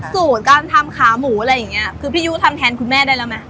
สูตรการทำขาหมูอะไรอย่างเงี้ยคือพี่ยุทำแทนคุณแม่ได้แล้วไหม